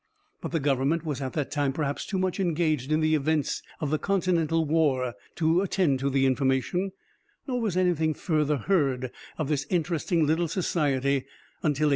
But the government was at that time perhaps too much engaged in the events of the continental war to attend to the information, nor was anything further heard of this interesting little society until 1814.